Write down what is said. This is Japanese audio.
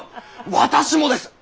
私もです！